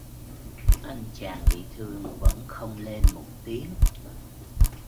Anh chàng bị thương vẫn không lên một tiếng